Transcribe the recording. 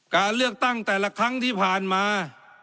การเลือกตั้งแต่ละครั้งที่ผ่านมา